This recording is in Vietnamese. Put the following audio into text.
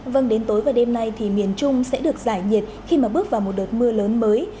vâng đến tối và đêm nay thì miền trung sẽ được giải nhiệt khi mà bước vào một đợt mưa lớn mới